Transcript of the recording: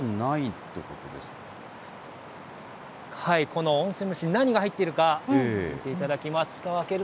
この温泉蒸し、何が入っているか見ていただきます。